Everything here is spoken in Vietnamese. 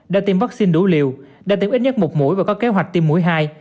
đã tiêm vaccine đủ liều đã tiêm ít nhất một mũi và có kế hoạch tiêm mũi hai